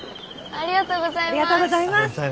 ありがとうございます。